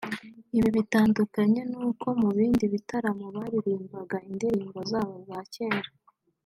Ibi bitandukanye n’uko mu bindi bitaramo baririmbaga indirimbo zabo za kera